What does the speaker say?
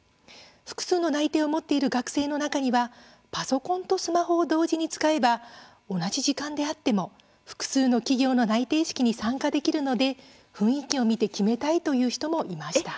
複数の内定を持っている学生の中にはパソコンとスマホを同時に使えば、同じ時間であっても複数の企業の内定式に参加できるので雰囲気を見て決めたいという人もいました。